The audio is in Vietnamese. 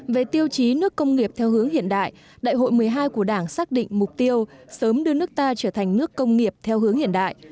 về tiêu chí nước công nghiệp theo hướng hiện đại đại hội một mươi hai của đảng xác định mục tiêu sớm đưa nước ta trở thành nước công nghiệp theo hướng hiện đại